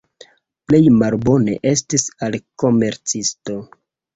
Plej malbone estis al komercistoj.